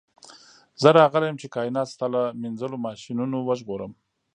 زه راغلی یم چې کائنات ستا له مینځلو ماشینونو وژغورم